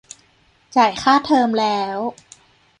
จ่ายค่าเทอมแล้ว